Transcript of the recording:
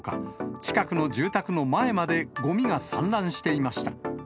近くの住宅の前までごみが散乱していました。